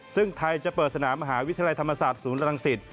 ซึ่งไทยจะเปิดสนามมหาวิทยาลัยธรรมศาสตร์ศูนย์รังสิต